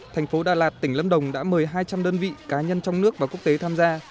thành phố đà lạt tỉnh lâm đồng đã mời hai trăm linh đơn vị cá nhân trong nước và quốc tế tham gia